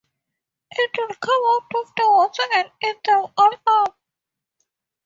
It would come out of the water and eat them all up.